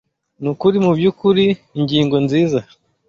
Nukuri mubyukuri ingingo nziza.